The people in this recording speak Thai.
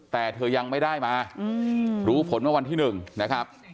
แต่เธอยังไม่ได้มารู้ผลเมื่อวันที่๑นะครับ